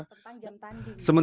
sementara setelah penyelenggara